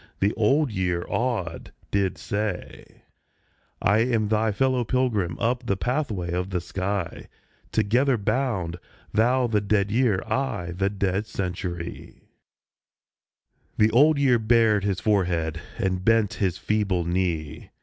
the Old Year, awed, did say. 102 THE YEAR AND THE CENTURY " I am thy fellow pilgrim up the pathway of the sky ; Together bound, thou the dead year, I the dead century." The Old Year bared his forehead, and bent his feeble knee.